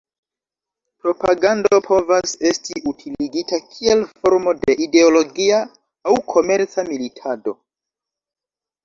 Propagando povas esti utiligita kiel formo de ideologia aŭ komerca militado.